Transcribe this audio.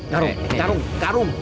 karung karung karung